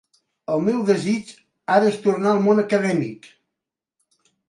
El meu desig ara és tornar al món acadèmic.